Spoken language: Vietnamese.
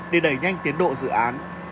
để đẩy nhanh tiến độ dự án